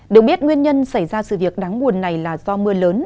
được biết nguyên nhân xảy ra sự việc đáng buồn này là do mưa lớn